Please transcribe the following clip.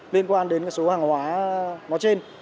liên quan đến số hàng hóa nó trên